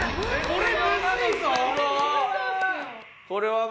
これ。